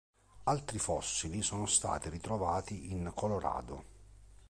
Altri fossili sono stati ritrovati in Colorado.